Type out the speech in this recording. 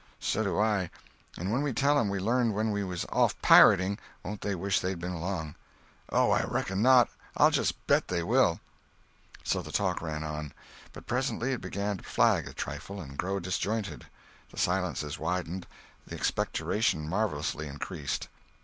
"So do I! And when we tell 'em we learned when we was off pirating, won't they wish they'd been along?" "Oh, I reckon not! I'll just bet they will!" So the talk ran on. But presently it began to flag a trifle, and grow disjointed. The silences widened; the expectoration marvellously increased.